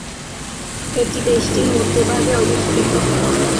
এটি দেশটির মধ্যভাগে অবস্থিত।